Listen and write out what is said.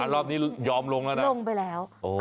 รอบนี้ยอมลงแล้วนะลงไปแล้ว